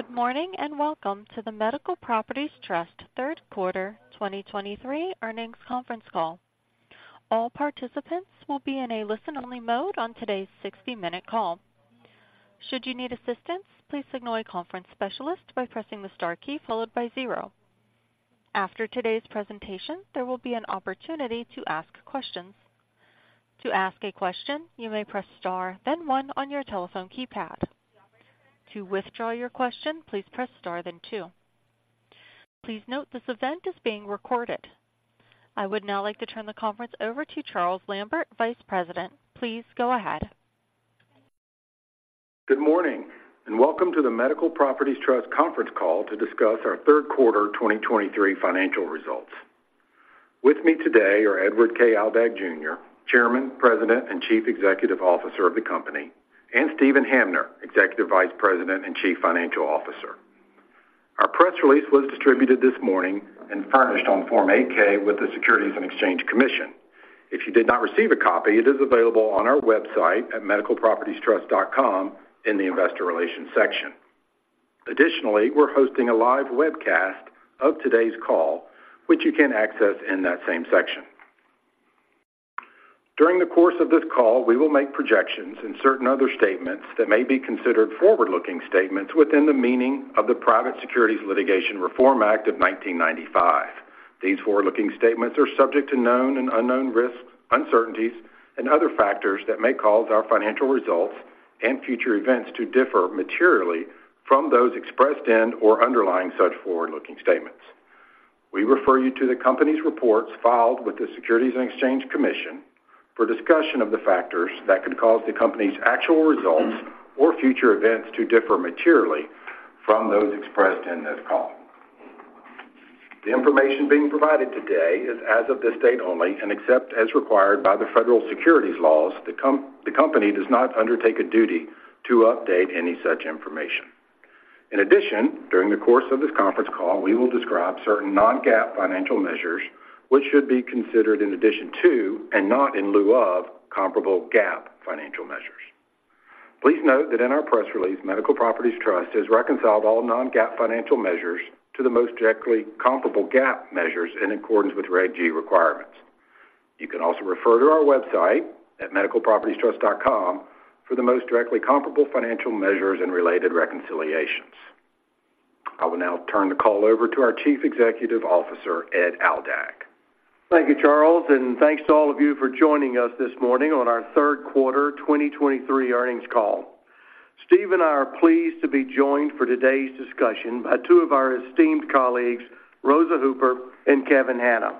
Good morning, and welcome to the Medical Properties Trust Third Quarter 2023 Earnings Conference Call. All participants will be in a listen-only mode on today's 60-minute call. Should you need assistance, please signal a conference specialist by pressing the star key followed by zero. After today's presentation, there will be an opportunity to ask questions. To ask a question, you may press Star, then one on your telephone keypad. To withdraw your question, please press Star then two. Please note, this event is being recorded. I would now like to turn the conference over to Charles Lambert, Vice President. Please go ahead. Good morning, and welcome to the Medical Properties Trust Conference Call to discuss our Third Quarter 2023 Financial Results. With me today are Edward K. Aldag, Jr., Chairman, President, and Chief Executive Officer of the company, and Steven Hamner, Executive Vice President and Chief Financial Officer. Our press release was distributed this morning and furnished on Form 8-K with the Securities and Exchange Commission. If you did not receive a copy, it is available on our website at medicalpropertiestrust.com in the Investor Relations section. Additionally, we're hosting a live webcast of today's call, which you can access in that same section. During the course of this call, we will make projections and certain other statements that may be considered forward-looking statements within the meaning of the Private Securities Litigation Reform Act of 1995. These forward-looking statements are subject to known and unknown risks, uncertainties, and other factors that may cause our financial results and future events to differ materially from those expressed in or underlying such forward-looking statements. We refer you to the company's reports filed with the Securities and Exchange Commission for discussion of the factors that could cause the company's actual results or future events to differ materially from those expressed in this call. The information being provided today is as of this date only, and except as required by the federal securities laws, the company does not undertake a duty to update any such information. In addition, during the course of this conference call, we will describe certain non-GAAP financial measures, which should be considered in addition to, and not in lieu of, comparable GAAP financial measures. Please note that in our press release, Medical Properties Trust has reconciled all non-GAAP financial measures to the most directly comparable GAAP measures in accordance with Reg G requirements. You can also refer to our website at medicalpropertiestrust.com for the most directly comparable financial measures and related reconciliations. I will now turn the call over to our Chief Executive Officer, Ed Aldag. Thank you, Charles, and thanks to all of you for joining us this morning on our Third Quarter 2023 Earnings Call. Steve and I are pleased to be joined for today's discussion by two of our esteemed colleagues, Rosa Hooper and Kevin Hanna.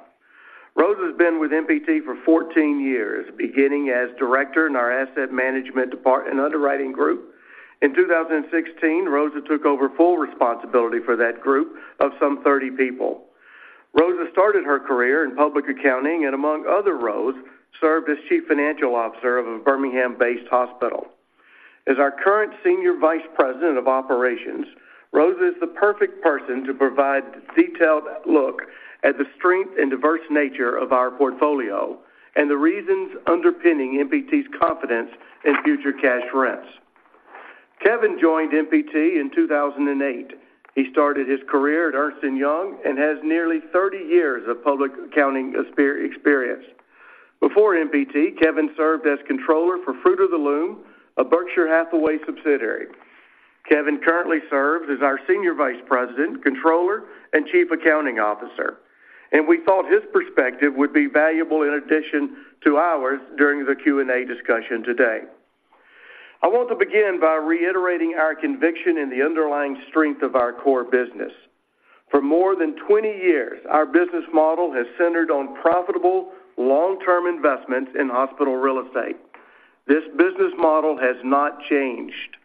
Rosa has been with MPT for 14 years, beginning as Director in our Asset Management and Underwriting Group. In 2016, Rosa took over full responsibility for that group of some 30 people. Rosa started her career in public accounting and among other roles, served as Chief Financial Officer of a Birmingham-based hospital. As our current Senior Vice President of Operations, Rosa is the perfect person to provide a detailed look at the strength and diverse nature of our portfolio, and the reasons underpinning MPT's confidence in future cash rents. Kevin joined MPT in 2008. He started his career at Ernst & Young and has nearly 30 years of public accounting experience. Before MPT, Kevin served as Controller for Fruit of the Loom, a Berkshire Hathaway subsidiary. Kevin currently serves as our Senior Vice President, Controller, and Chief Accounting Officer, and we thought his perspective would be valuable in addition to ours during the Q&A discussion today. I want to begin by reiterating our conviction in the underlying strength of our core business. For more than 20 years, our business model has centered on profitable, long-term investments in hospital real estate. This business model has not changed.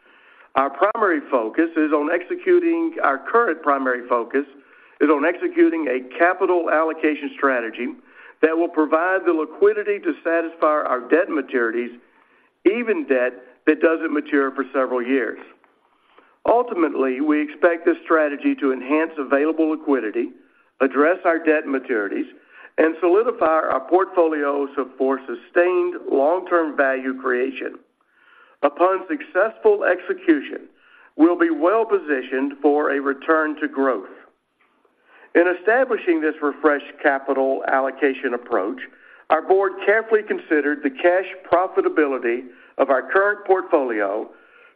Our current primary focus is on executing a capital allocation strategy that will provide the liquidity to satisfy our debt maturities, even debt that doesn't mature for several years. Ultimately, we expect this strategy to enhance available liquidity, address our debt maturities, and solidify our portfolio for sustained long-term value creation. Upon successful execution, we'll be well-positioned for a return to growth. In establishing this refreshed capital allocation approach, our board carefully considered the cash profitability of our current portfolio,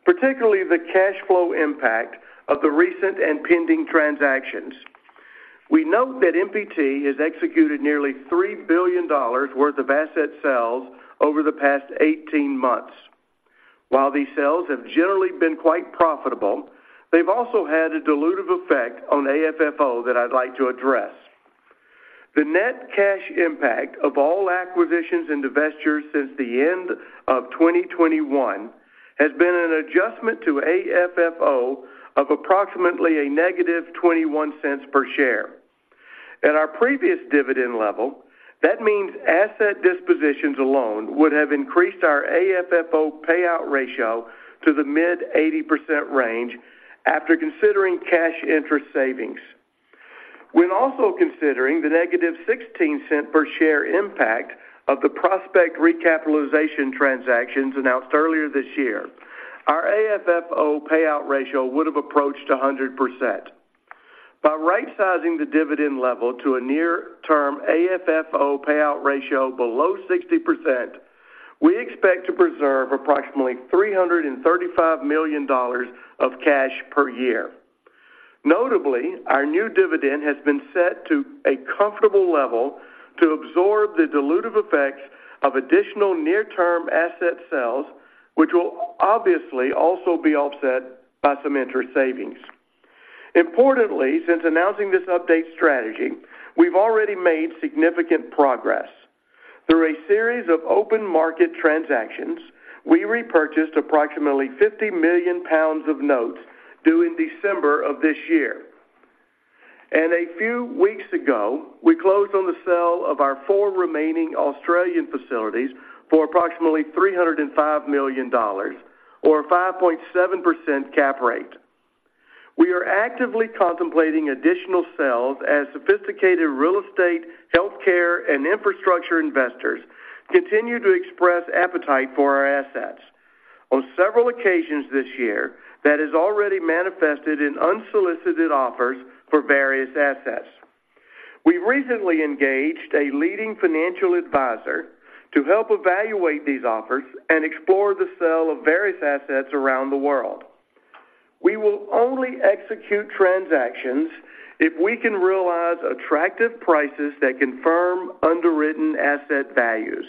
particularly the cash flow impact of the recent and pending transactions. We note that MPT has executed nearly $3 billion worth of asset sales over the past 18 months. While these sales have generally been quite profitable, they've also had a dilutive effect on AFFO that I'd like to address. The net cash impact of all acquisitions and divestitures since the end of 2021, has been an adjustment to AFFO of approximately -$0.21 per share. At our previous dividend level, that means asset dispositions alone would have increased our AFFO payout ratio to the mid 80% range after considering cash interest savings. When also considering the negative $0.16 per share impact of the Prospect recapitalization transactions announced earlier this year, our AFFO payout ratio would have approached 100%. By right sizing the dividend level to a near-term AFFO payout ratio below 60%, we expect to preserve approximately $335 million of cash per year. Notably, our new dividend has been set to a comfortable level to absorb the dilutive effects of additional near-term asset sales, which will obviously also be offset by some interest savings. Importantly, since announcing this update strategy, we've already made significant progress. Through a series of open market transactions, we repurchased approximately 50 million pounds of notes due in December of this year. A few weeks ago, we closed on the sale of our four remaining Australian facilities for approximately $305 million, or a 5.7% cap rate. We are actively contemplating additional sales as sophisticated real estate, healthcare, and infrastructure investors continue to express appetite for our assets. On several occasions this year, that has already manifested in unsolicited offers for various assets. We recently engaged a leading financial advisor to help evaluate these offers and explore the sale of various assets around the world. We will only execute transactions if we can realize attractive prices that confirm underwritten asset values.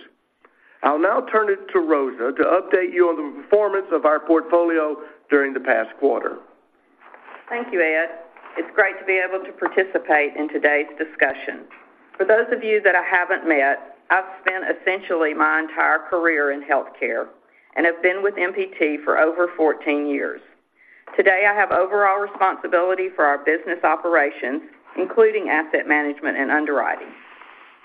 I'll now turn it to Rosa to update you on the performance of our portfolio during the past quarter. Thank you, Ed. It's great to be able to participate in today's discussion. For those of you that I haven't met, I've spent essentially my entire career in healthcare and have been with MPT for over 14 years. Today, I have overall responsibility for our business operations, including asset management and underwriting.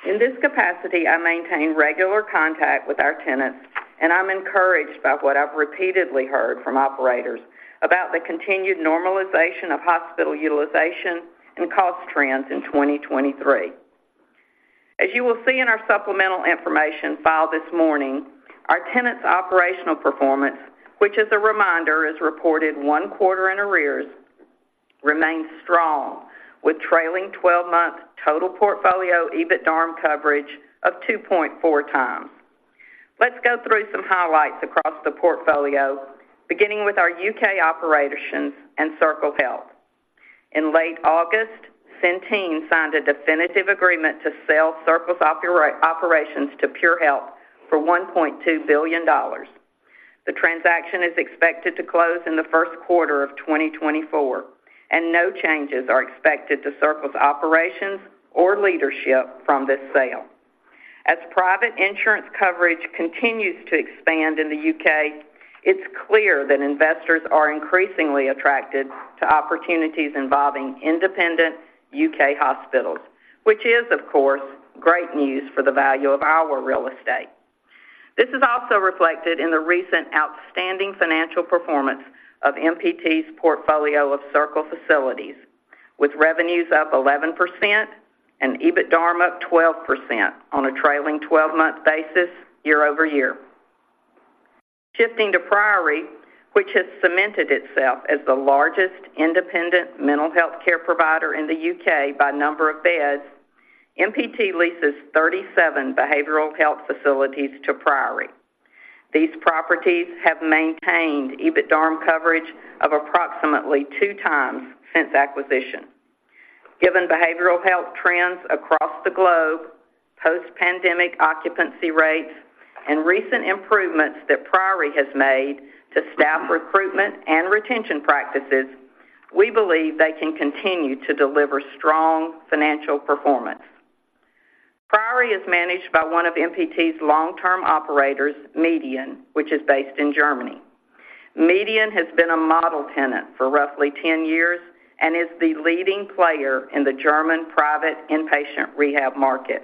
In this capacity, I maintain regular contact with our tenants, and I'm encouraged by what I've repeatedly heard from operators about the continued normalization of hospital utilization and cost trends in 2023. As you will see in our supplemental information file this morning, our tenants' operational performance, which, as a reminder, is reported one quarter in arrears, remains strong, with trailing 12-month total portfolio EBITDARM coverage of 2.4 times. Let's go through some highlights across the portfolio, beginning with our U.K. operations and Circle Health. In late August, Centene signed a definitive agreement to sell Circle's operations to PureHealth for $1.2 billion. The transaction is expected to close in the first quarter of 2024, and no changes are expected to Circle's operations or leadership from this sale. As private insurance coverage continues to expand in the U.K., it's clear that investors are increasingly attracted to opportunities involving independent U.K. hospitals, which is, of course, great news for the value of our real estate. This is also reflected in the recent outstanding financial performance of MPT's portfolio of Circle facilities, with revenues up 11% and EBITDARM up 12% on a trailing twelve-month basis year-over-year. Shifting to Priory, which has cemented itself as the largest independent mental health care provider in the U.K. by number of beds, MPT leases 37 behavioral health facilities to Priory. These properties have maintained EBITDARM coverage of approximately two times since acquisition. Given behavioral health trends across the globe, post-pandemic occupancy rates, and recent improvements that Priory has made to staff recruitment and retention practices, we believe they can continue to deliver strong financial performance. Priory is managed by one of MPT's long-term operators, MEDIAN, which is based in Germany. MEDIAN has been a model tenant for roughly 10 years and is the leading player in the German private inpatient rehab market.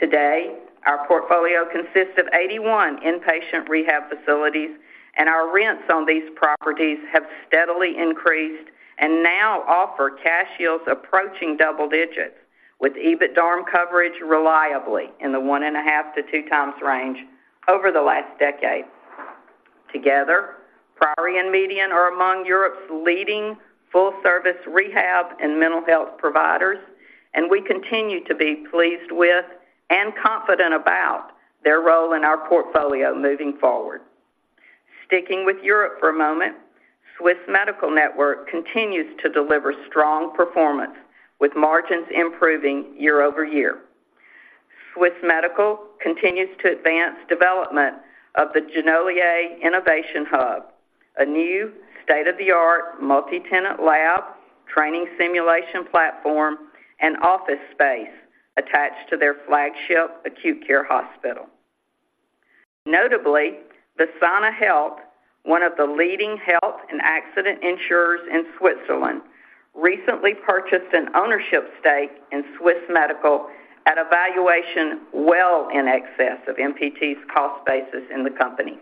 Today, our portfolio consists of 81 inpatient rehab facilities, and our rents on these properties have steadily increased and now offer cash yields approaching double digits, with EBITDARM coverage reliably in the 1.5-2 times range over the last decade. Together, Priory and MEDIAN are among Europe's leading full-service rehab and mental health providers, and we continue to be pleased with and confident about their role in our portfolio moving forward. Sticking with Europe for a moment, Swiss Medical Network continues to deliver strong performance, with margins improving year-over-year. Swiss Medical continues to advance development of the Genolier Innovation Hub, a new state-of-the-art multi-tenant lab, training simulation platform, and office space attached to their flagship acute care hospital. Notably, Visana Health, one of the leading health and accident insurers in Switzerland, recently purchased an ownership stake in Swiss Medical at a valuation well in excess of MPT's cost basis in the company...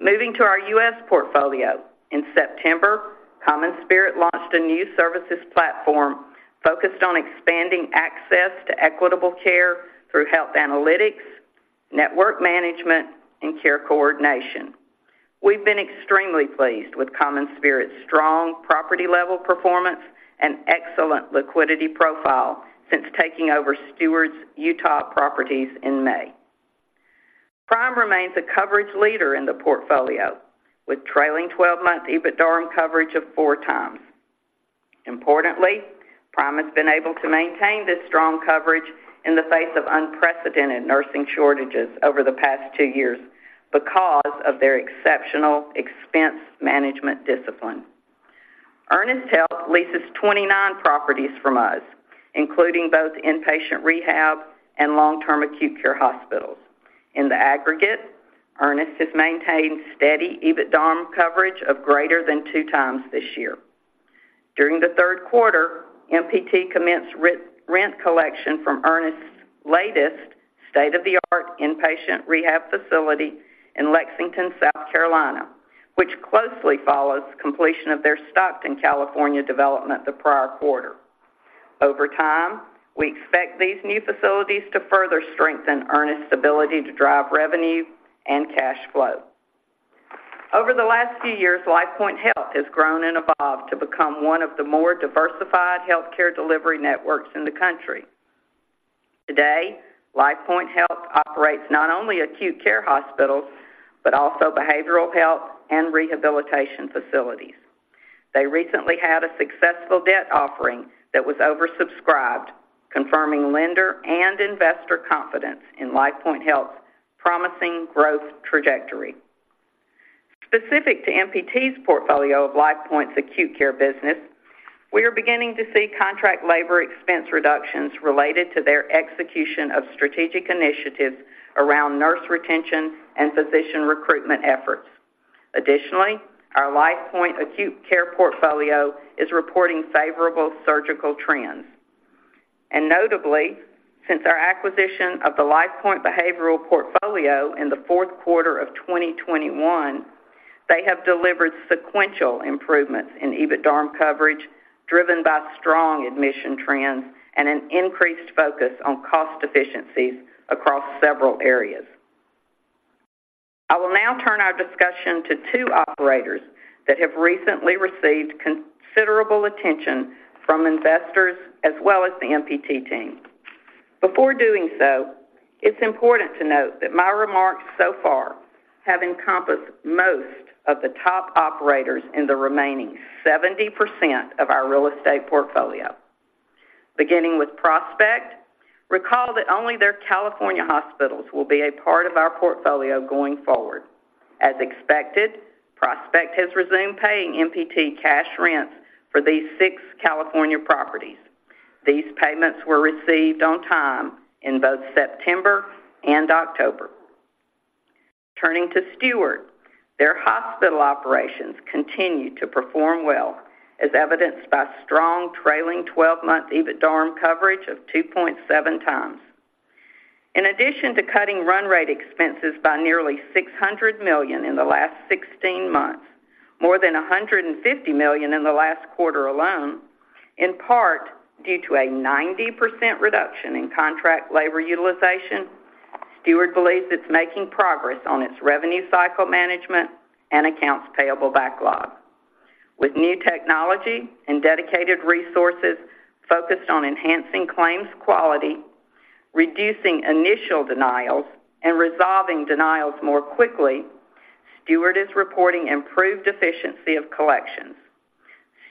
Moving to our U.S. portfolio. In September, CommonSpirit launched a new services platform focused on expanding access to equitable care through health analytics, network management, and care coordination. We've been extremely pleased with CommonSpirit's strong property-level performance and excellent liquidity profile since taking over Steward's Utah properties in May. Prime remains a coverage leader in the portfolio, with trailing twelve-month EBITDARM coverage of 4x. Importantly, Prime has been able to maintain this strong coverage in the face of unprecedented nursing shortages over the past two years because of their exceptional expense management discipline. Ernest Health leases 29 properties from us, including both inpatient rehab and long-term acute care hospitals. In the aggregate, Ernest has maintained steady EBITDARM coverage of greater than 2x this year. During the third quarter, MPT commenced rent collection from Ernest's latest state-of-the-art inpatient rehab facility in Lexington, South Carolina, which closely follows completion of their Stockton, California, development the prior quarter. Over time, we expect these new facilities to further strengthen Ernest's ability to drive revenue and cash flow. Over the last few years, Lifepoint Health has grown and evolved to become one of the more diversified healthcare delivery networks in the country. Today, Lifepoint Health operates not only acute care hospitals, but also behavioral health and rehabilitation facilities. They recently had a successful debt offering that was oversubscribed, confirming lender and investor confidence in Lifepoint Health's promising growth trajectory. Specific to MPT's portfolio of Lifepoint's acute care business, we are beginning to see contract labor expense reductions related to their execution of strategic initiatives around nurse retention and physician recruitment efforts. Additionally, our Lifepoint acute care portfolio is reporting favorable surgical trends. And notably, since our acquisition of the Lifepoint behavioral portfolio in the fourth quarter of 2021, they have delivered sequential improvements in EBITDARM coverage, driven by strong admission trends and an increased focus on cost efficiencies across several areas. I will now turn our discussion to two operators that have recently received considerable attention from investors as well as the MPT team. Before doing so, it's important to note that my remarks so far have encompassed most of the top operators in the remaining 70% of our real estate portfolio. Beginning with Prospect, recall that only their California hospitals will be a part of our portfolio going forward. As expected, Prospect has resumed paying MPT cash rents for these six California properties. These payments were received on time in both September and October. Turning to Steward, their hospital operations continue to perform well, as evidenced by strong trailing twelve-month EBITDARM coverage of 2.7 times. In addition to cutting run rate expenses by nearly $600 million in the last 16 months, more than $150 million in the last quarter alone, in part due to a 90% reduction in contract labor utilization, Steward believes it's making progress on its revenue cycle management and accounts payable backlog. With new technology and dedicated resources focused on enhancing claims quality, reducing initial denials, and resolving denials more quickly, Steward is reporting improved efficiency of collections.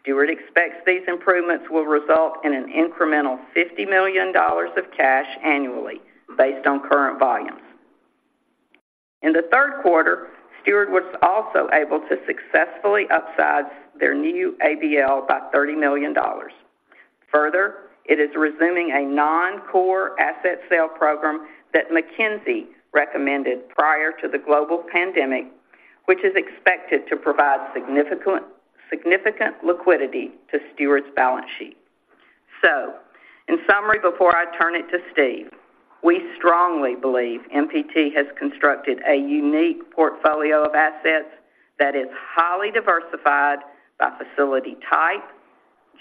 Steward expects these improvements will result in an incremental $50 million of cash annually, based on current volumes. In the third quarter, Steward was also able to successfully upsize their new ABL by $30 million. Further, it is resuming a non-core asset sale program that McKinsey recommended prior to the global pandemic, which is expected to provide significant, significant liquidity to Steward's balance sheet. So, in summary, before I turn it to Steve, we strongly believe MPT has constructed a unique portfolio of assets that is highly diversified by facility type,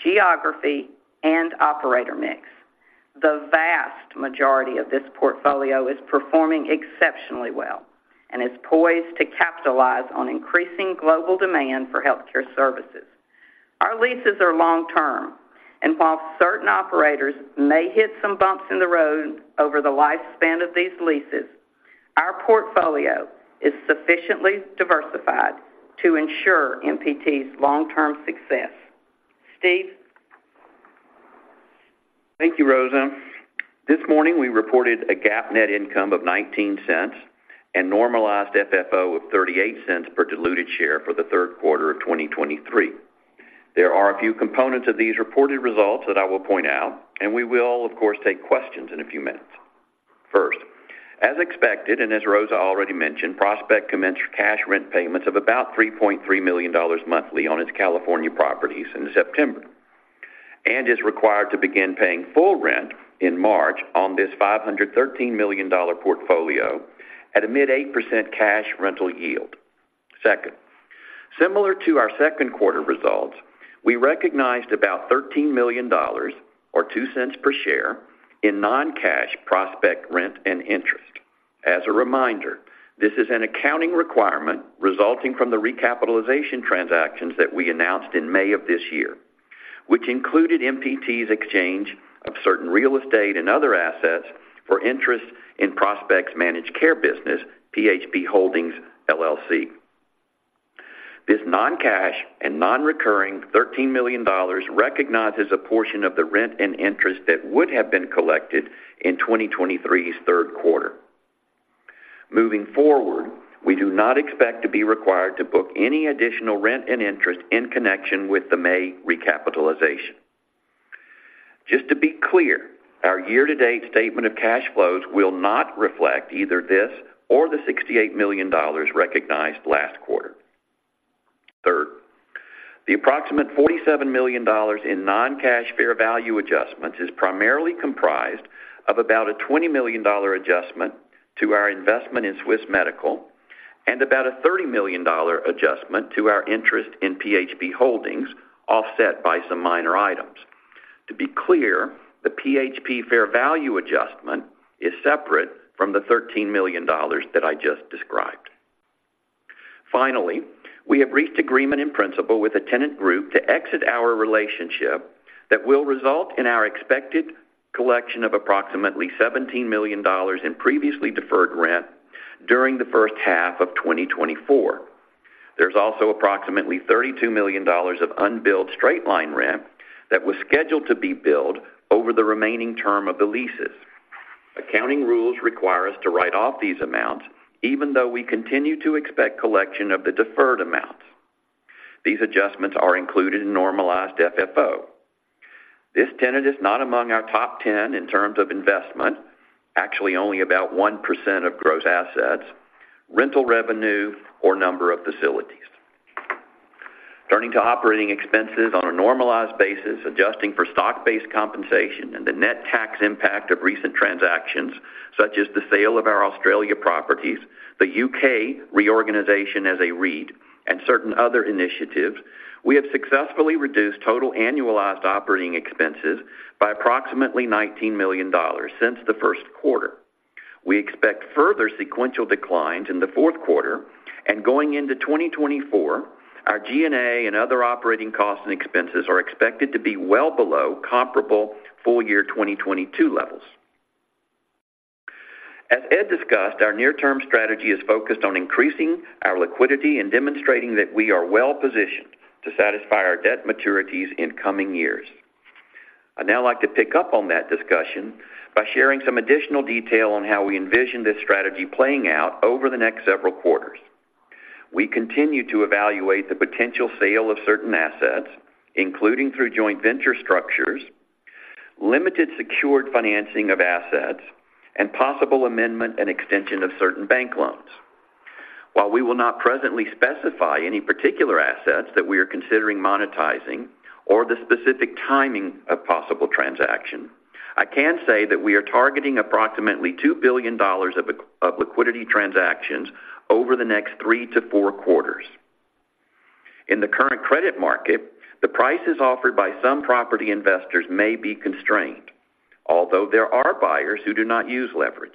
geography, and operator mix. The vast majority of this portfolio is performing exceptionally well and is poised to capitalize on increasing global demand for healthcare services. Our leases are long-term, and while certain operators may hit some bumps in the road over the lifespan of these leases, our portfolio is sufficiently diversified to ensure MPT's long-term success. Steve? Thank you, Rosa. This morning, we reported a GAAP net income of $0.19 and normalized FFO of $0.38 per diluted share for the third quarter of 2023. There are a few components of these reported results that I will point out, and we will, of course, take questions in a few minutes. First, as expected, and as Rosa already mentioned, Prospect commenced cash rent payments of about $3.3 million monthly on its California properties in September.... and is required to begin paying full rent in March on this $513 million portfolio at a mid 8% cash rental yield. Second, similar to our second quarter results, we recognized about $13 million, or $0.02 per share, in non-cash Prospect rent and interest. As a reminder, this is an accounting requirement resulting from the recapitalization transactions that we announced in May of this year, which included MPT's exchange of certain real estate and other assets for interest in Prospect's managed care business, PHP Holdings, LLC. This non-cash and non-recurring $13 million recognizes a portion of the rent and interest that would have been collected in 2023's third quarter. Moving forward, we do not expect to be required to book any additional rent and interest in connection with the May recapitalization. Just to be clear, our year-to-date statement of cash flows will not reflect either this or the $68 million recognized last quarter. Third, the approximate $47 million in non-cash fair value adjustments is primarily comprised of about a $20 million adjustment to our investment in Swiss Medical, and about a $30 million adjustment to our interest in PHP Holdings, offset by some minor items. To be clear, the PHP fair value adjustment is separate from the $13 million that I just described. Finally, we have reached agreement in principle with a tenant group to exit our relationship that will result in our expected collection of approximately $17 million in previously deferred rent during the first half of 2024. There's also approximately $32 million of unbilled straight-line rent that was scheduled to be billed over the remaining term of the leases. Accounting rules require us to write off these amounts, even though we continue to expect collection of the deferred amounts. These adjustments are included in normalized FFO. This tenant is not among our top 10 in terms of investment, actually only about 1% of gross assets, rental revenue, or number of facilities. Turning to operating expenses on a normalized basis, adjusting for stock-based compensation and the net tax impact of recent transactions, such as the sale of our Australia properties, the U.K. reorganization as a REIT, and certain other initiatives, we have successfully reduced total annualized operating expenses by approximately $19 million since the first quarter. We expect further sequential declines in the fourth quarter and going into 2024, our G&A and other operating costs and expenses are expected to be well below comparable full year 2022 levels. As Ed discussed, our near-term strategy is focused on increasing our liquidity and demonstrating that we are well-positioned to satisfy our debt maturities in coming years. I'd now like to pick up on that discussion by sharing some additional detail on how we envision this strategy playing out over the next several quarters. We continue to evaluate the potential sale of certain assets, including through joint venture structures, limited secured financing of assets, and possible amendment and extension of certain bank loans. While we will not presently specify any particular assets that we are considering monetizing or the specific timing of possible transaction, I can say that we are targeting approximately $2 billion of liquidity transactions over the next 3-4 quarters. In the current credit market, the prices offered by some property investors may be constrained, although there are buyers who do not use leverage.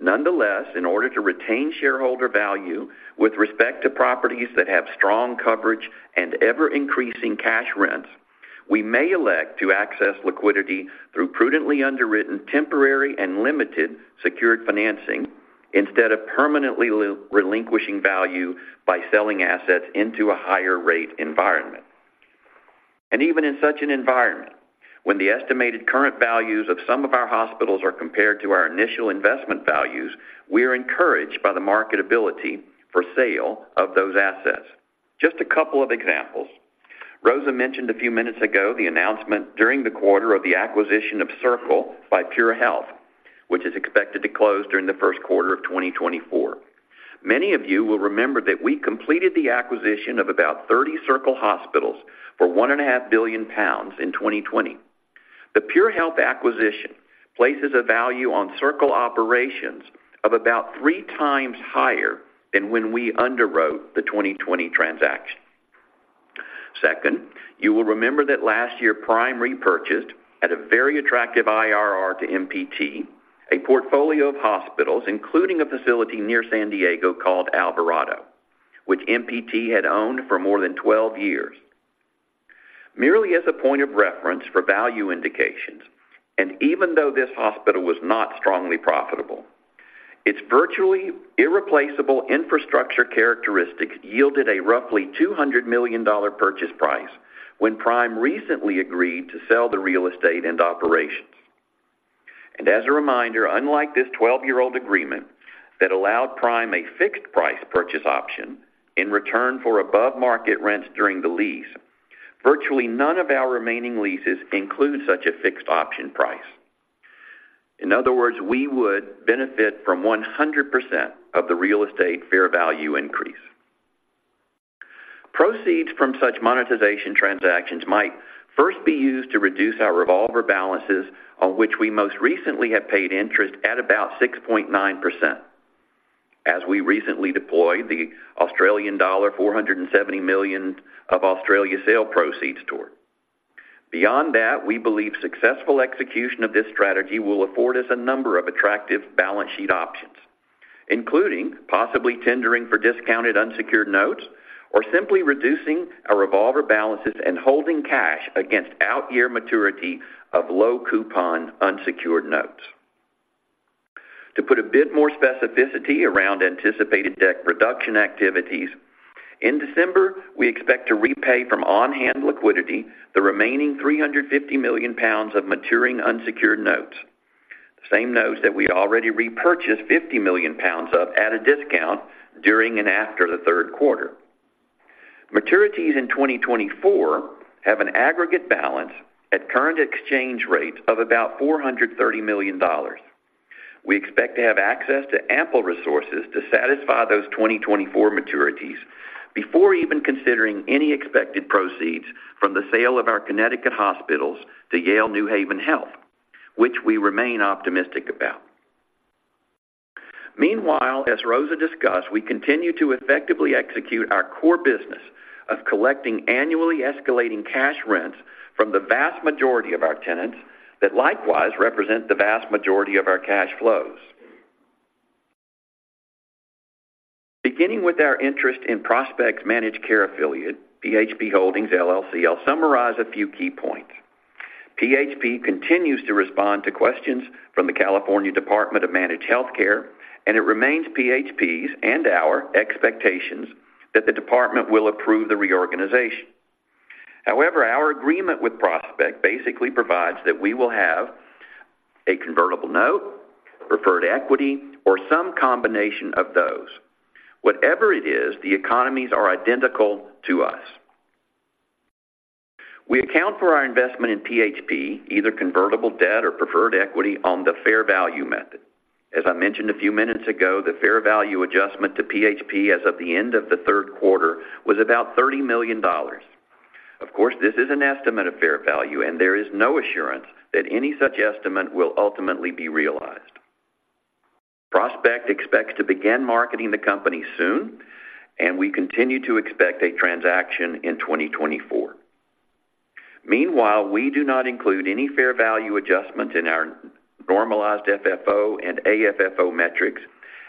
Nonetheless, in order to retain shareholder value with respect to properties that have strong coverage and ever-increasing cash rents, we may elect to access liquidity through prudently underwritten, temporary, and limited secured financing, instead of permanently relinquishing value by selling assets into a higher rate environment. Even in such an environment, when the estimated current values of some of our hospitals are compared to our initial investment values, we are encouraged by the marketability for sale of those assets. Just a couple of examples. Rosa mentioned a few minutes ago the announcement during the quarter of the acquisition of Circle by PureHealth, which is expected to close during the first quarter of 2024. Many of you will remember that we completed the acquisition of about 30 Circle hospitals for 1.5 billion pounds in 2020. The PureHealth acquisition places a value on Circle operations of about three times higher than when we underwrote the 2020 transaction. Second, you will remember that last year, Prime repurchased at a very attractive IRR to MPT, a portfolio of hospitals, including a facility near San Diego called Alvarado, which MPT had owned for more than 12 years. Merely as a point of reference for value indications, and even though this hospital was not strongly profitable, its virtually irreplaceable infrastructure characteristics yielded a roughly $200 million purchase price when Prime recently agreed to sell the real estate into operations. And as a reminder, unlike this 12-year-old agreement that allowed Prime a fixed price purchase option in return for above-market rents during the lease, virtually none of our remaining leases include such a fixed option price. In other words, we would benefit from 100% of the real estate fair value increase. Proceeds from such monetization transactions might first be used to reduce our revolver balances, on which we most recently have paid interest at about 6.9%, as we recently deployed the Australian dollar 470 million of Australia sale proceeds toward. Beyond that, we believe successful execution of this strategy will afford us a number of attractive balance sheet options, including possibly tendering for discounted unsecured notes or simply reducing our revolver balances and holding cash against out-year maturity of low coupon unsecured notes. To put a bit more specificity around anticipated debt reduction activities, in December, we expect to repay from on-hand liquidity the remaining 350 million pounds of maturing unsecured notes, the same notes that we already repurchased 50 million pounds of at a discount during and after the third quarter. Maturities in 2024 have an aggregate balance at current exchange rates of about $430 million. We expect to have access to ample resources to satisfy those 2024 maturities before even considering any expected proceeds from the sale of our Connecticut hospitals to Yale New Haven Health, which we remain optimistic about. Meanwhile, as Rosa discussed, we continue to effectively execute our core business of collecting annually escalating cash rents from the vast majority of our tenants that likewise represent the vast majority of our cash flows. Beginning with our interest in Prospect's Managed Care Affiliate, PHP Holdings, LLC, I'll summarize a few key points. PHP continues to respond to questions from the California Department of Managed Healthcare, and it remains PHP's and our expectations that the department will approve the reorganization. However, our agreement with Prospect basically provides that we will have a convertible note, preferred equity, or some combination of those. Whatever it is, the economies are identical to us. We account for our investment in PHP, either convertible debt or preferred equity, on the fair value method. As I mentioned a few minutes ago, the fair value adjustment to PHP as of the end of the third quarter was about $30 million. Of course, this is an estimate of fair value, and there is no assurance that any such estimate will ultimately be realized. Prospect expects to begin marketing the company soon, and we continue to expect a transaction in 2024. Meanwhile, we do not include any fair value adjustments in our normalized FFO and AFFO metrics,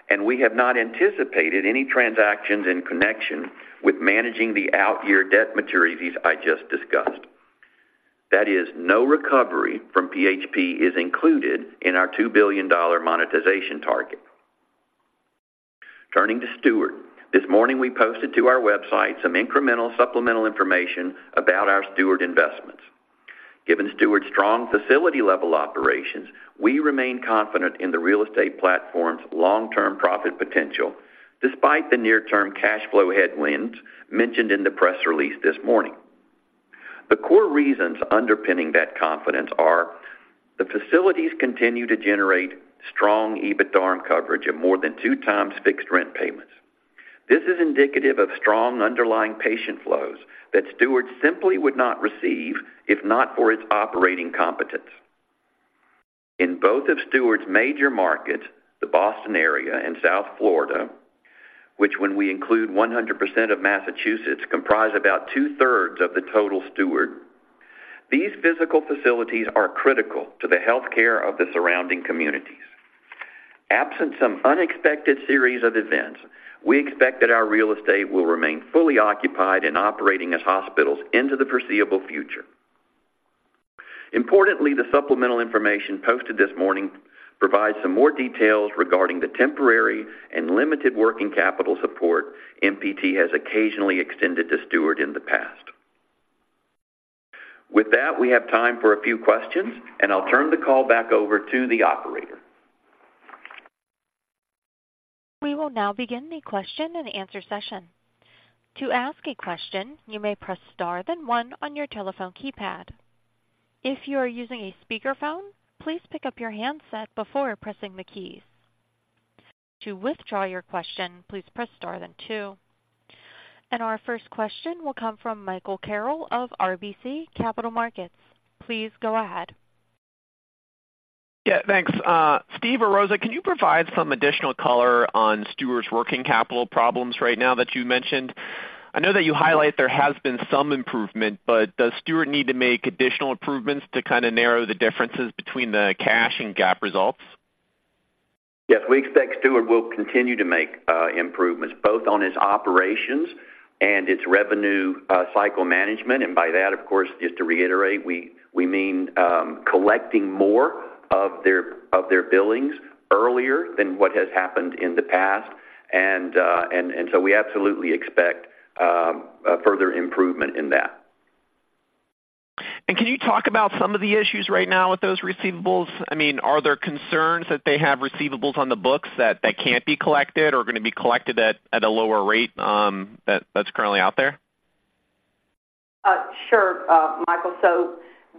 and we have not anticipated any transactions in connection with managing the out year debt maturities I just discussed. That is, no recovery from PHP is included in our $2 billion monetization target. Turning to Steward, this morning, we posted to our website some incremental supplemental information about our Steward investments. Given Steward's strong facility-level operations, we remain confident in the real estate platform's long-term profit potential, despite the near-term cash flow headwinds mentioned in the press release this morning. The core reasons underpinning that confidence are: the facilities continue to generate strong EBITDARM coverage of more than two times fixed rent payments. This is indicative of strong underlying patient flows that Steward simply would not receive if not for its operating competence. In both of Steward's major markets, the Boston area and South Florida, which, when we include 100% of Massachusetts, comprise about two-thirds of the total Steward. These physical facilities are critical to the healthcare of the surrounding communities. Absent some unexpected series of events, we expect that our real estate will remain fully occupied and operating as hospitals into the foreseeable future. Importantly, the supplemental information posted this morning provides some more details regarding the temporary and limited working capital support MPT has occasionally extended to Steward in the past. With that, we have time for a few questions, and I'll turn the call back over to the operator. We will now begin the question and answer session. To ask a question, you may press Star, then one on your telephone keypad. If you are using a speakerphone, please pick up your handset before pressing the keys. To withdraw your question, please press Star then two. Our first question will come from Michael Carroll of RBC Capital Markets. Please go ahead. Yeah, thanks. Steve or Rosa, can you provide some additional color on Steward's working capital problems right now that you mentioned? I know that you highlight there has been some improvement, but does Steward need to make additional improvements to kind of narrow the differences between the cash and GAAP results? Yes, we expect Steward will continue to make improvements, both on its operations and its revenue cycle management. And by that, of course, just to reiterate, we mean collecting more of their billings earlier than what has happened in the past. And so we absolutely expect a further improvement in that. Can you talk about some of the issues right now with those receivables? I mean, are there concerns that they have receivables on the books that can't be collected or are going to be collected at a lower rate, that's currently out there?... Sure, Michael.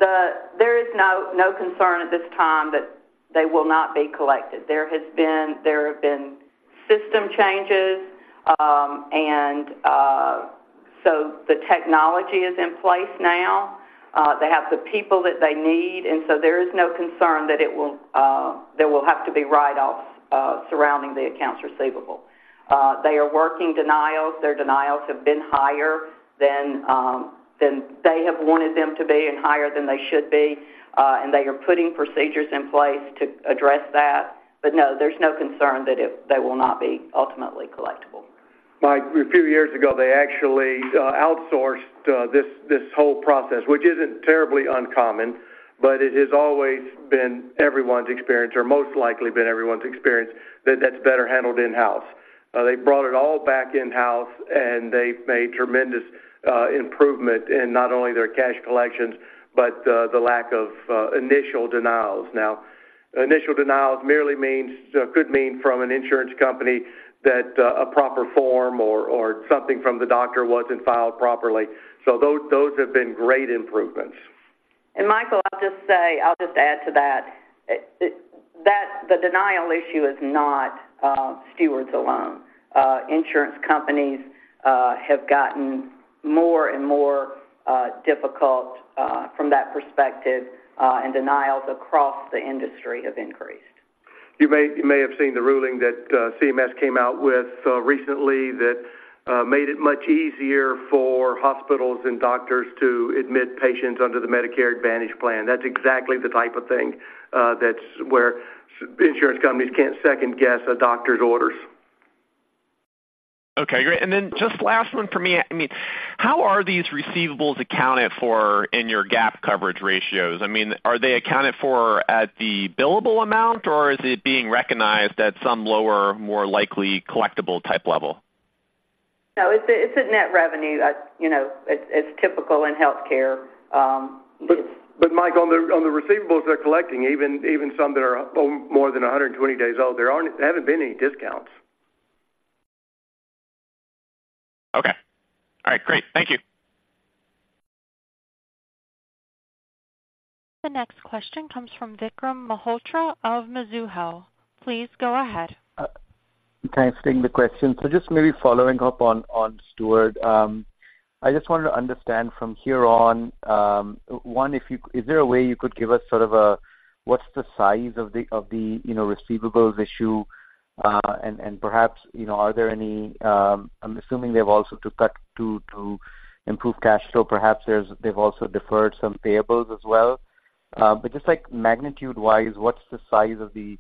So there is no concern at this time that they will not be collected. There have been system changes, and so the technology is in place now. They have the people that they need, and so there is no concern that there will have to be write-offs surrounding the accounts receivable. They are working denials. Their denials have been higher than they have wanted them to be and higher than they should be, and they are putting procedures in place to address that. But no, there's no concern that they will not be ultimately collectible. Mike, a few years ago, they actually outsourced this whole process, which isn't terribly uncommon, but it has always been everyone's experience, or most likely been everyone's experience, that that's better handled in-house. They brought it all back in-house, and they've made tremendous improvement in not only their cash collections, but the lack of initial denials. Now, initial denials merely means could mean from an insurance company that a proper form or something from the doctor wasn't filed properly. So those have been great improvements. And Michael, I'll just say, I'll just add to that, that the denial issue is not Steward's alone. Insurance companies have gotten more and more difficult from that perspective, and denials across the industry have increased. You may, you may have seen the ruling that, CMS came out with, recently that, made it much easier for hospitals and doctors to admit patients under the Medicare Advantage Plan. That's exactly the type of thing, that's where insurance companies can't second guess a doctor's orders. Okay, great. And then just last one for me. I mean, how are these receivables accounted for in your GAAP coverage ratios? I mean, are they accounted for at the billable amount, or is it being recognized at some lower, more likely collectible type level? No, it's a net revenue. You know, it's typical in healthcare, it's- But Mike, on the receivables they're collecting, even some that are more than 120 days old, there aren't, there haven't been any discounts. Okay. All right, great. Thank you. The next question comes from Vikram Malhotra of Mizuho. Please go ahead. Thanks for taking the question. So just maybe following up on Steward, I just wanted to understand from here on, is there a way you could give us sort of a, what's the size of the receivables issue? And perhaps, you know, are there any, I'm assuming they've also to cut to improve cash flow, they've also deferred some payables as well. But just like magnitude-wise, what's the size of the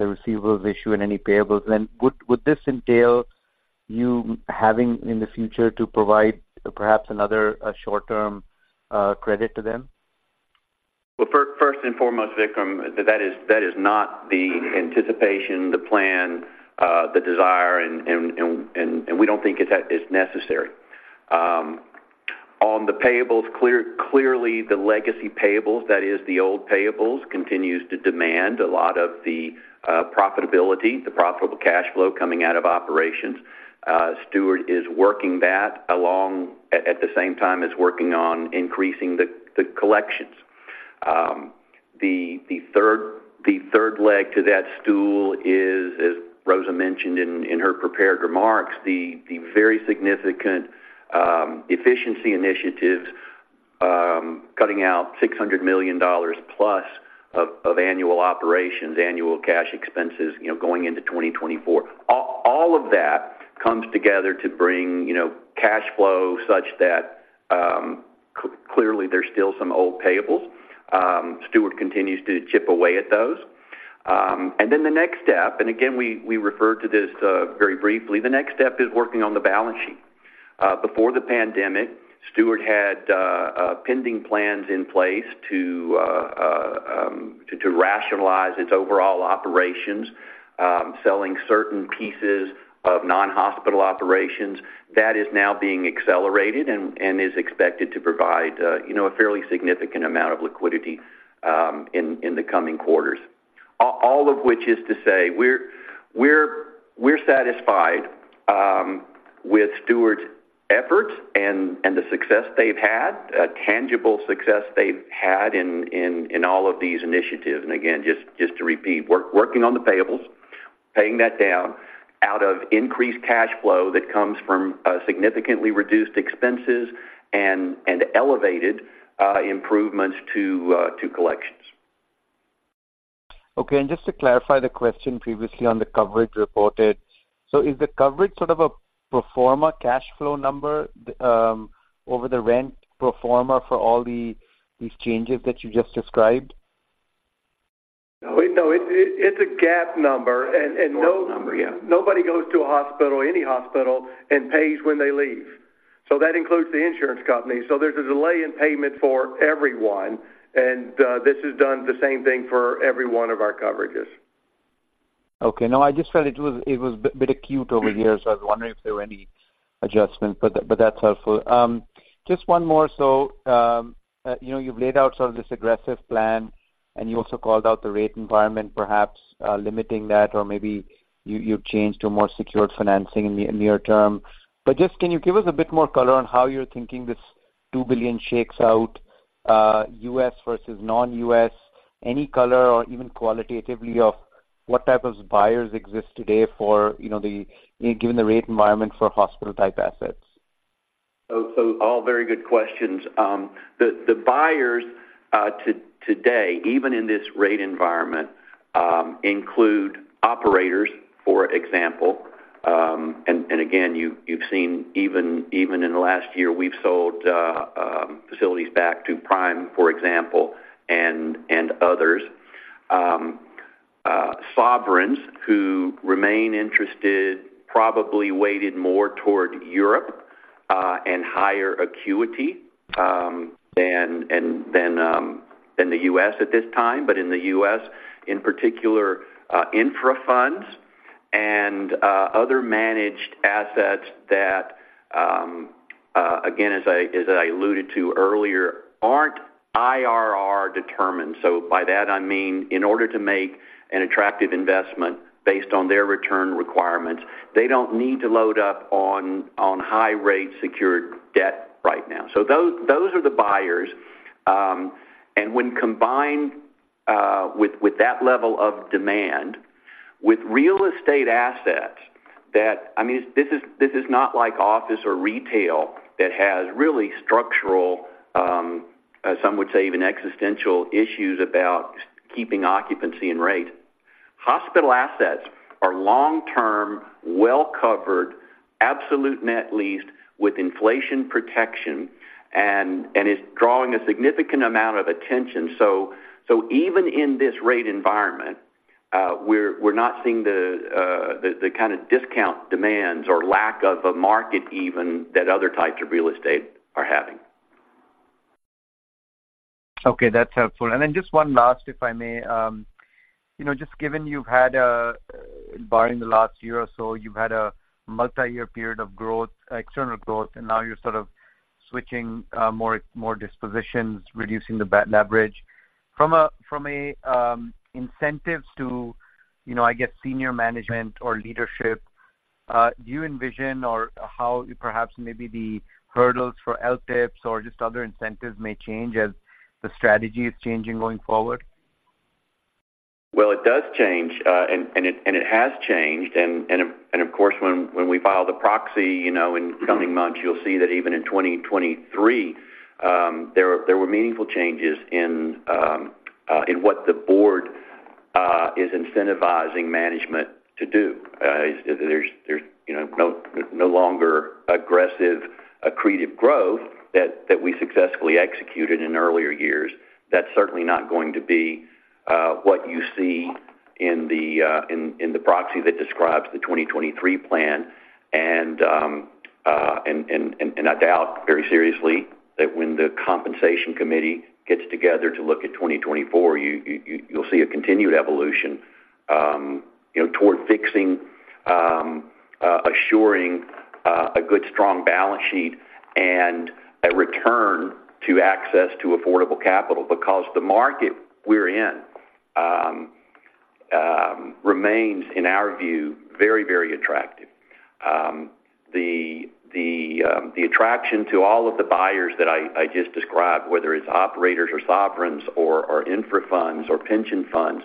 receivables issue and any payables? And would this entail you having, in the future, to provide perhaps another short-term credit to them? Well, first and foremost, Vikram, that is not the anticipation, the plan, the desire, and we don't think it's necessary. On the payables, clearly, the legacy payables, that is the old payables, continues to demand a lot of the profitability, the profitable cash flow coming out of operations. Steward is working that along at the same time as working on increasing the collections. The third leg to that stool is, as Rosa mentioned in her prepared remarks, the very significant efficiency initiatives, cutting out $600 million plus of annual operations, annual cash expenses, you know, going into 2024. All of that comes together to bring, you know, cash flow such that clearly, there's still some old payables. Steward continues to chip away at those. The next step, and again, we referred to this very briefly, the next step is working on the balance sheet. Before the pandemic, Steward had pending plans in place to rationalize its overall operations, selling certain pieces of non-hospital operations. That is now being accelerated and is expected to provide, you know, a fairly significant amount of liquidity in the coming quarters. All of which is to say, we're satisfied with Steward's efforts and the success they've had, a tangible success they've had in all of these initiatives. And again, just, just to repeat, working on the payables, paying that down out of increased cash flow that comes from significantly reduced expenses and, and elevated improvements to, to collections. Okay, and just to clarify the question previously on the coverage reported. So is the coverage sort of a pro forma cash flow number, over the rent pro forma for all the, these changes that you just described? No, it's a GAAP number, and no- GAAP number, yeah. Nobody goes to a hospital, any hospital, and pays when they leave. So that includes the insurance company. So there's a delay in payment for everyone, and this has done the same thing for every one of our coverages. Okay. No, I just felt it was, it was a bit acute over here, so I was wondering if there were any adjustments, but that, but that's helpful. Just one more. So, you know, you've laid out sort of this aggressive plan, and you also called out the rate environment, perhaps, limiting that, or maybe you, you've changed to a more secured financing in the near term. But just, can you give us a bit more color on how you're thinking this $2 billion shakes out, U.S. versus non-U.S.? Any color or even qualitatively of what type of buyers exist today for, you know, the, given the rate environment for hospital-type assets? All very good questions. The buyers today, even in this rate environment, include operators, for example, and again, you've seen even in the last year, we've sold facilities back to Prime, for example, and others. Sovereigns who remain interested, probably weighted more toward Europe and higher acuity than the U.S. at this time, but in the U.S., in particular, infra funds and other managed assets that, again, as I alluded to earlier, aren't IRR determined. By that, I mean, in order to make an attractive investment based on their return requirements, they don't need to load up on high rate secured debt right now. Those are the buyers. And when combined with that level of demand, with real estate assets, that—I mean, this is not like office or retail that has really structural, some would say even existential issues about keeping occupancy and rate. Hospital assets are long-term, well-covered, absolute net leased with inflation protection, and is drawing a significant amount of attention. Even in this rate environment, we're not seeing the kind of discount demands or lack of a market even, that other types of real estate are having. Okay, that's helpful. Just one last, if I may. You know, just given you've had, barring the last year or so, you've had a multi-year period of growth, external growth, and now you're sort of switching, more, more dispositions, reducing the leverage. From a, from a, incentives to, you know, I guess, senior management or leadership, do you envision or how perhaps maybe the hurdles for LTIPs or just other incentives may change as the strategy is changing going forward? Well, it does change, and it has changed. And, of course, when we file the proxy, you know, in coming months, you'll see that even in 2023, there were meaningful changes in what the board is incentivizing management to do. There's, you know, no longer aggressive accretive growth that we successfully executed in earlier years. That's certainly not going to be what you see in the proxy that describes the 2023 plan. I doubt very seriously that when the compensation committee gets together to look at 2024, you'll see a continued evolution, you know, toward fixing, assuring, a good, strong balance sheet and a return to access to affordable capital, because the market we're in remains, in our view, very, very attractive. The attraction to all of the buyers that I just described, whether it's operators or sovereigns or, or infra funds or pension funds,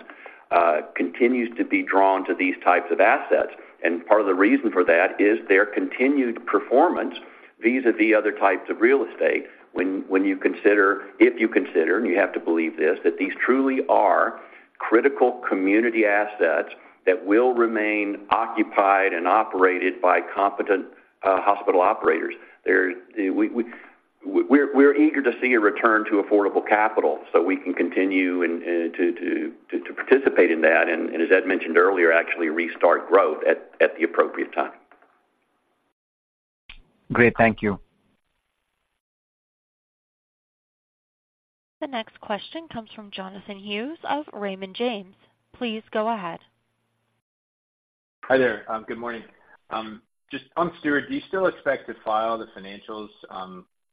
continues to be drawn to these types of assets, and part of the reason for that is their continued performance. These are the other types of real estate when you consider, if you consider, and you have to believe this, that these truly are critical community assets that will remain occupied and operated by competent hospital operators. We're eager to see a return to affordable capital, so we can continue to participate in that, and as Ed mentioned earlier, actually restart growth at the appropriate time. Great. Thank you. The next question comes from Jonathan Hughes of Raymond James. Please go ahead. Hi there. Good morning. Just on Steward, do you still expect to file the financials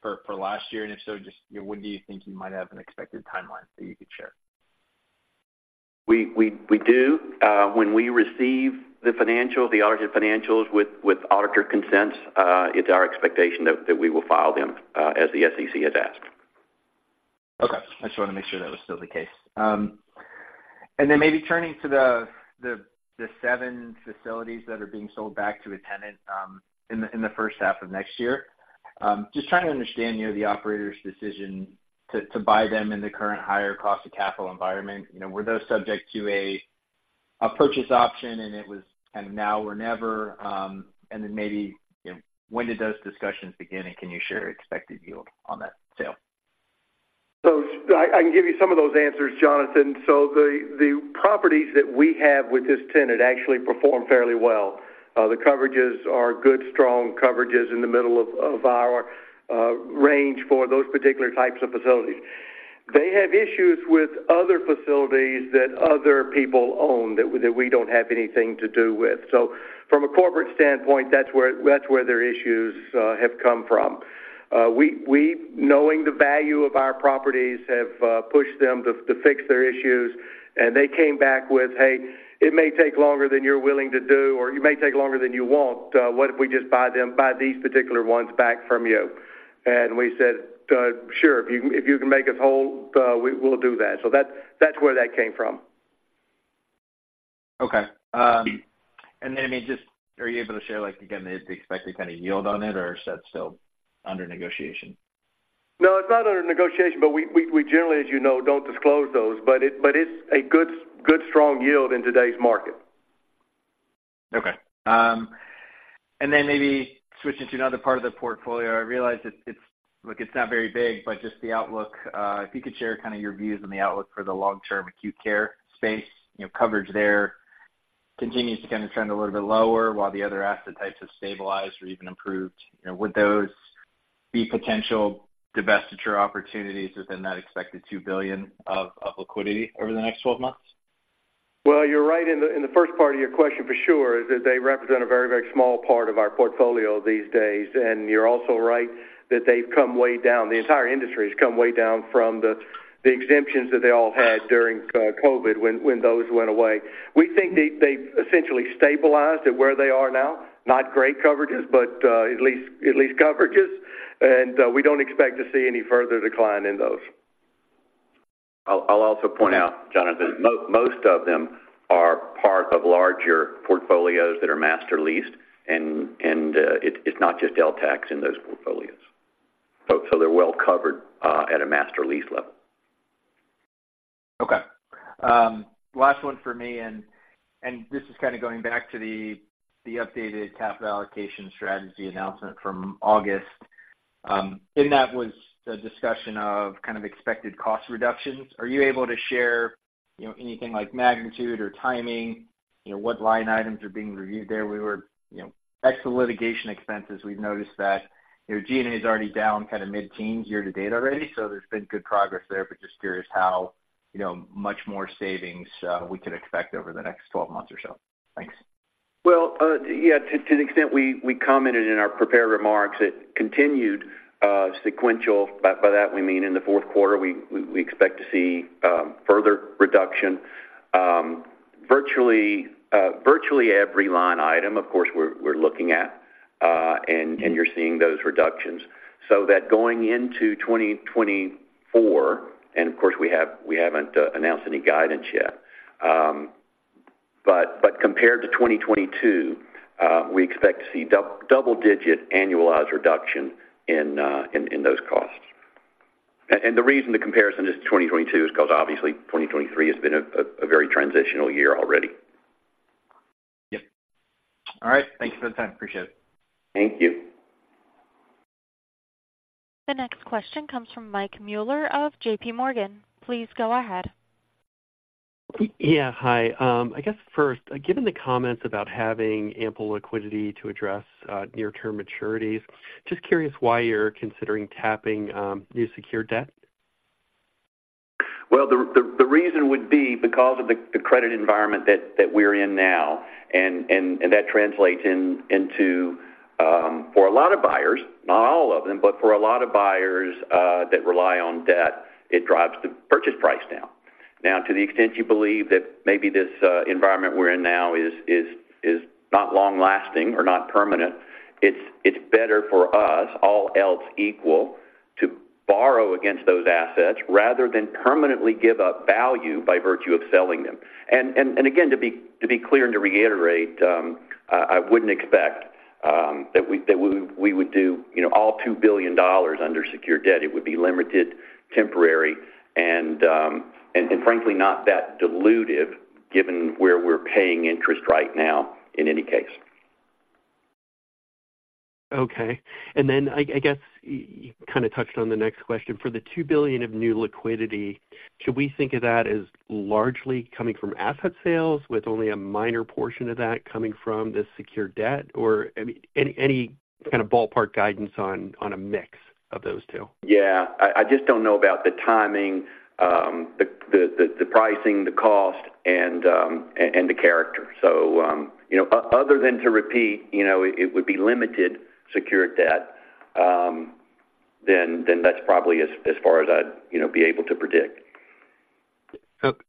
for last year? And if so, just when do you think you might have an expected timeline that you could share? We do. When we receive the audited financials with auditor consents, it's our expectation that we will file them as the SEC has asked. Okay. I just want to make sure that was still the case. And then maybe turning to the seven facilities that are being sold back to a tenant in the first half of next year. Just trying to understand, you know, the operator's decision to buy them in the current higher cost of capital environment. You know, were those subject to a purchase option, and it was kind of now or never? And then maybe, you know, when did those discussions begin, and can you share expected yield on that sale? So I can give you some of those answers, Jonathan. So the properties that we have with this tenant actually perform fairly well. The coverages are good, strong coverages in the middle of our range for those particular types of facilities.... They have issues with other facilities that other people own, that we don't have anything to do with. So from a corporate standpoint, that's where their issues have come from. We, knowing the value of our properties, have pushed them to fix their issues, and they came back with, "Hey, it may take longer than you're willing to do, or it may take longer than you want. What if we just buy them, buy these particular ones back from you?" And we said, "Sure, if you can make us whole, we'll do that." So that's where that came from. Okay. And then, I mean, just are you able to share, like, again, the expected kind of yield on it, or is that still under negotiation? No, it's not under negotiation, but we generally, as you know, don't disclose those, but it's a good, good, strong yield in today's market. Okay. And then maybe switching to another part of the portfolio. I realize it's not very big, but just the outlook, if you could share kind of your views on the outlook for the long-term acute care space. You know, coverage there continues to kind of trend a little bit lower, while the other asset types have stabilized or even improved. You know, would those be potential divestiture opportunities within that expected $2 billion of liquidity over the next 12 months? Well, you're right in the first part of your question, for sure, is that they represent a very, very small part of our portfolio these days. And you're also right that they've come way down. The entire industry has come way down from the exemptions that they all had during COVID, when those went away. We think they've essentially stabilized at where they are now. Not great coverages, but at least coverages, and we don't expect to see any further decline in those. I'll also point out, Jonathan, most of them are part of larger portfolios that are master leased, and it's not just LTACs in those portfolios. So they're well covered at a master lease level. Okay. Last one for me, and this is kind of going back to the updated capital allocation strategy announcement from August. In that was the discussion of kind of expected cost reductions. Are you able to share, you know, anything like magnitude or timing? You know, what line items are being reviewed there? You know, ex the litigation expenses, we've noticed that, you know, G&A is already down kind of mid-teens year to date already, so there's been good progress there. But just curious how, you know, much more savings we could expect over the next 12 months or so. Thanks. Well, yeah, to the extent we commented in our prepared remarks, it continued sequential. By that, we mean in the fourth quarter, we expect to see further reduction. Virtually every line item, of course, we're looking at, and you're seeing those reductions. So that going into 2024, and of course, we haven't announced any guidance yet. But compared to 2022, we expect to see double-digit annualized reduction in those costs. And the reason the comparison is to 2022 is because, obviously, 2023 has been a very transitional year already. Yep. All right. Thanks for the time. Appreciate it. Thank you. The next question comes from Mike Mueller of JP Morgan. Please go ahead. Yeah, hi. I guess first, given the comments about having ample liquidity to address, near-term maturities, just curious why you're considering tapping, new secured debt? Well, the reason would be because of the credit environment that we're in now, and that translates into for a lot of buyers, not all of them, but for a lot of buyers that rely on debt, it drives the purchase price down. Now, to the extent you believe that maybe this environment we're in now is not long lasting or not permanent, it's better for us, all else equal, to borrow against those assets rather than permanently give up value by virtue of selling them. And again, to be clear and to reiterate, I wouldn't expect that we would do, you know, all $2 billion under secured debt. It would be limited, temporary, and frankly, not that dilutive, given where we're paying interest right now in any case. Okay. And then, I guess, you kind of touched on the next question. For the $2 billion of new liquidity, should we think of that as largely coming from asset sales, with only a minor portion of that coming from this secured debt? Or, I mean, any kind of ballpark guidance on a mix of those two? Yeah. I just don't know about the timing, the pricing, the cost, and the character. So, you know, other than to repeat, you know, it would be limited secured debt, then that's probably as far as I'd, you know, be able to predict.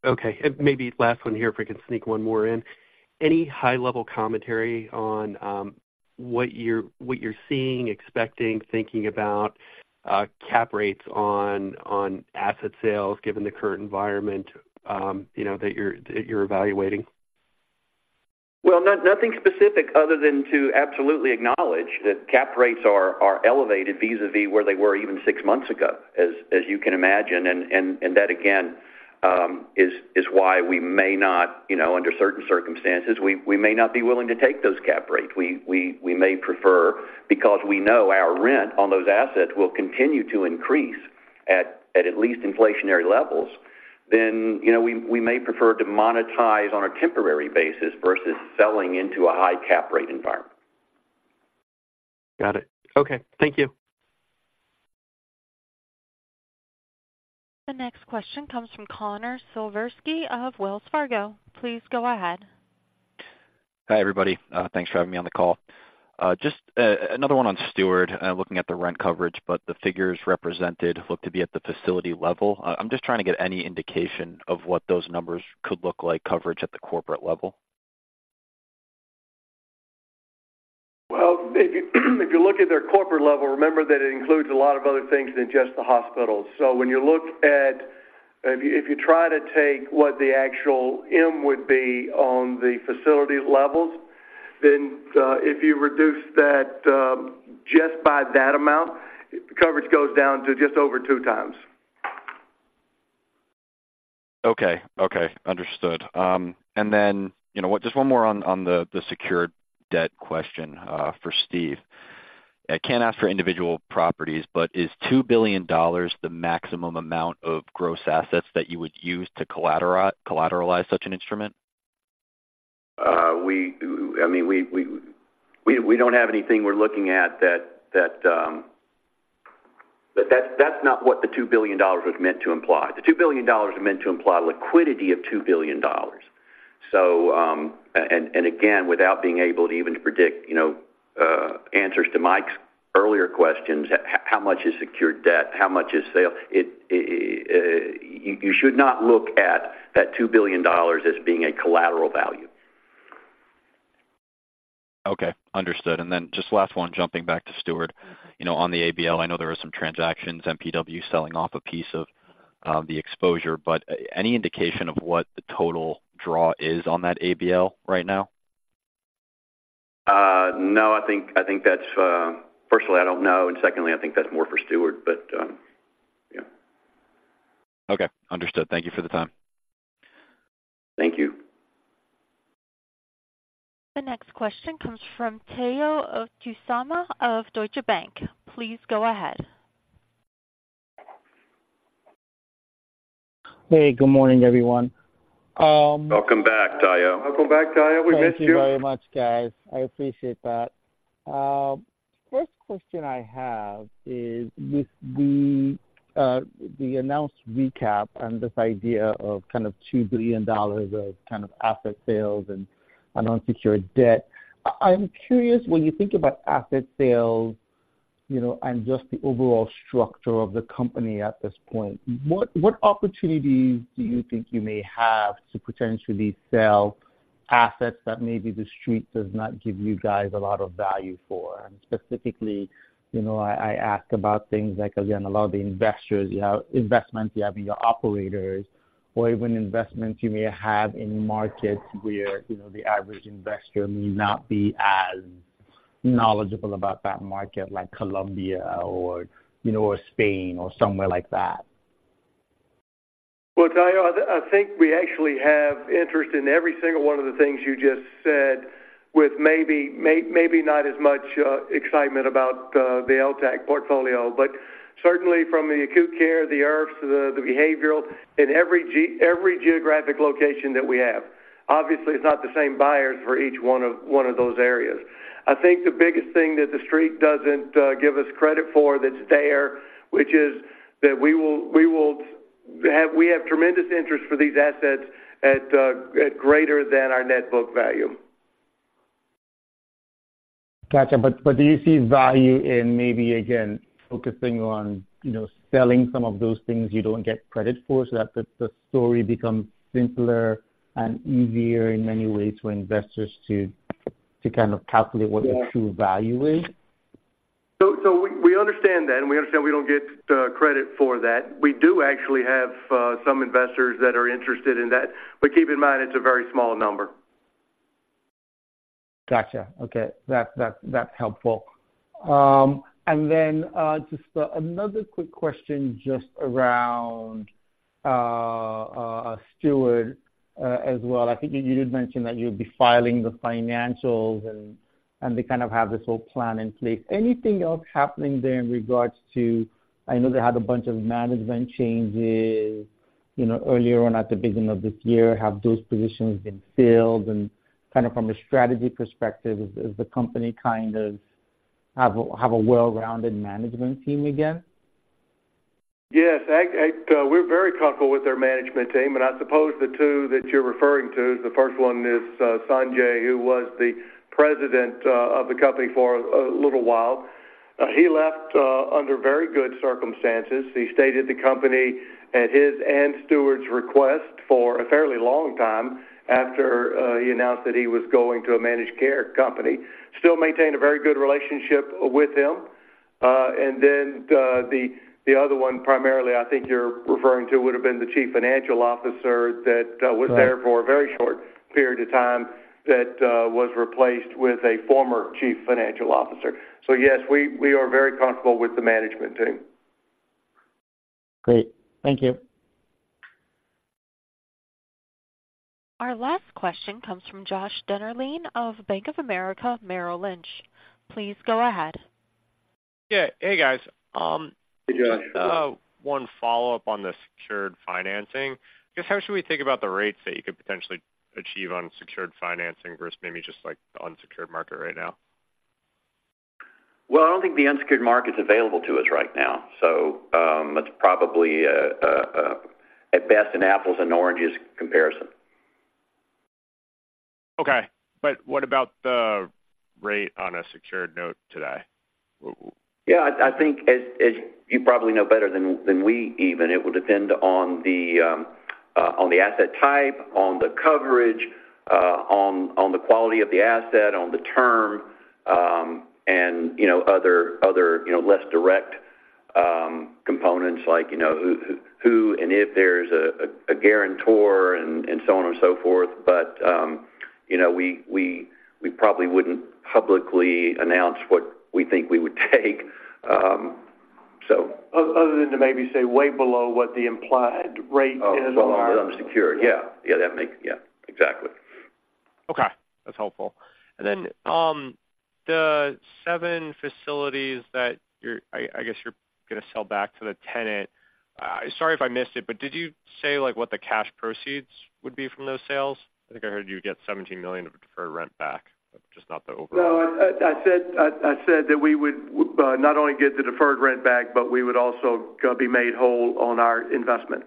Okay. And maybe last one here, if I can sneak one more in. Any high-level commentary on what you're seeing, expecting, thinking about cap rates on asset sales, given the current environment, you know, that you're evaluating? Well, nothing specific, other than to absolutely acknowledge that cap rates are elevated vis-a-vis where they were even six months ago, as you can imagine. And that, again, is why we may not, you know, under certain circumstances, we may not be willing to take those cap rates. We may prefer, because we know our rent on those assets will continue to increase at least inflationary levels, then, you know, we may prefer to monetize on a temporary basis versus selling into a high cap rate environment.... Got it. Okay, thank you. The next question comes from Connor Siversky of Wells Fargo. Please go ahead. Hi, everybody. Thanks for having me on the call. Just, another one on Steward, looking at the rent coverage, but the figures represented look to be at the facility level. I'm just trying to get any indication of what those numbers could look like, coverage at the corporate level. Well, if you look at their corporate level, remember that it includes a lot of other things than just the hospitals. So when you look at, if you try to take what the actual M would be on the facility levels, then, if you reduce that just by that amount, the coverage goes down to just over two times. Okay. Okay, understood. And then, you know what? Just one more on the secured debt question for Steve. I can't ask for individual properties, but is $2 billion the maximum amount of gross assets that you would use to collateralize such an instrument? I mean, we don't have anything we're looking at that. But that's not what the $2 billion was meant to imply. The $2 billion is meant to imply liquidity of $2 billion. So, and again, without being able to even predict, you know, answers to Mike's earlier questions, how much is secured debt? How much is sale? You should not look at that $2 billion as being a collateral value. Okay, understood. And then just last one, jumping back to Steward. You know, on the ABL, I know there are some transactions, MPW selling off a piece of the exposure, but any indication of what the total draw is on that ABL right now? No, I think, I think that's, firstly, I don't know. And secondly, I think that's more for Steward, but, yeah. Okay, understood. Thank you for the time. Thank you. The next question comes from Tayo Okusanya of Deutsche Bank. Please go ahead. Hey, good morning, everyone. Welcome back, Tayo. Welcome back, Tayo. We missed you. Thank you very much, guys. I appreciate that. First question I have is with the announced recap and this idea of kind of $2 billion of kind of asset sales and an unsecured debt. I'm curious, when you think about asset sales, you know, and just the overall structure of the company at this point, what opportunities do you think you may have to potentially sell assets that maybe the Street does not give you guys a lot of value for? And specifically, you know, I ask about things like, again, a lot of the investments you have in your operators, or even investments you may have in markets where, you know, the average investor may not be as knowledgeable about that market, like Colombia or, you know, or Spain or somewhere like that. Well, Tayo, I think we actually have interest in every single one of the things you just said, with maybe not as much excitement about the LTAC portfolio. But certainly, from the acute care, the IRFs, the behavioral, in every geographic location that we have. Obviously, it's not the same buyers for each one of those areas. I think the biggest thing that the treet doesn't give us credit for that's there, which is that we have tremendous interest for these assets at greater than our net book value. Gotcha. But, but do you see value in maybe, again, focusing on, you know, selling some of those things you don't get credit for, so that the, the story becomes simpler and easier in many ways for investors to, to kind of calculate what the true value is? So we understand that, and we understand we don't get credit for that. We do actually have some investors that are interested in that. But keep in mind, it's a very small number. Gotcha. Okay. That's helpful. And then just another quick question just around Steward as well. I think you did mention that you'll be filing the financials and they kind of have this whole plan in place. Anything else happening there in regards to... I know they had a bunch of management changes, you know, earlier on at the beginning of this year. Have those positions been filled? And kind of from a strategy perspective, does the company kind of have a well-rounded management team again? Yes, I, we're very comfortable with their management team, and I suppose the two that you're referring to, the first one is Sanjay, who was the President of the company for a little while. He left under very good circumstances. He stayed at the company at his and Steward's request for a fairly long time, after he announced that he was going to a managed care company. Still maintain a very good relationship with him. And then, the other one, primarily, I think you're referring to, would have been the Chief Financial Officer that was there for a very short period of time, that was replaced with a former Chief Financial Officer. So yes, we are very comfortable with the management team. Great. Thank you. Our last question comes from Josh Dennerlein of Bank of America Merrill Lynch. Please go ahead.... Yeah. Hey, guys. Hey, Josh. One follow-up on the secured financing. I guess, how should we think about the rates that you could potentially achieve on secured financing versus maybe just like the unsecured market right now? Well, I don't think the unsecured market's available to us right now, so, that's probably, at best, an apples and oranges comparison. Okay. But what about the rate on a secured note today? Yeah, I think as you probably know better than we even, it would depend on the asset type, on the coverage, on the quality of the asset, on the term, and, you know, other, you know, less direct components like, you know, who, and if there's a guarantor and so on and so forth. But, you know, we probably wouldn't publicly announce what we think we would take. So- Other than to maybe say way below what the implied rate is on our- Oh, on the unsecured. Yeah. Yeah, that makes. Yeah, exactly. Okay. That's helpful. And then, the seven facilities that I guess you're gonna sell back to the tenant. Sorry if I missed it, but did you say, like, what the cash proceeds would be from those sales? I think I heard you get $17 million of deferred rent back, but just not the overall. No, I said that we would not only get the deferred rent back, but we would also gonna be made whole on our investment.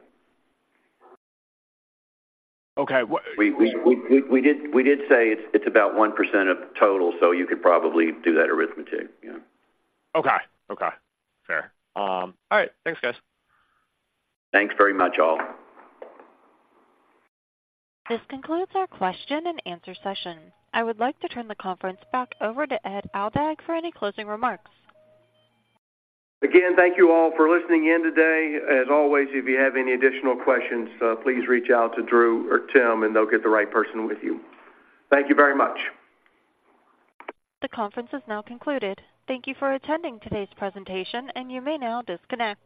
Okay. What- We did say it's about 1% of the total, so you could probably do that arithmetic, yeah. Okay. Okay. Fair. All right. Thanks, guys. Thanks very much, all. This concludes our question and answer session. I would like to turn the conference back over to Ed Aldag for any closing remarks. Again, thank you all for listening in today. As always, if you have any additional questions, please reach out to Drew or Tim, and they'll get the right person with you. Thank you very much. The conference is now concluded. Thank you for attending today's presentation, and you may now disconnect.